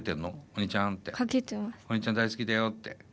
お兄ちゃん大好きだよって。